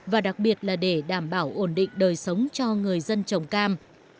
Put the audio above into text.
và đặc biệt là để đảm bảo ổn định đời sống cho người dân trồng cam